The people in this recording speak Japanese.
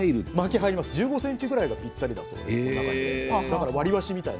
入ります１５ｃｍぐらいがぴったりだそうです。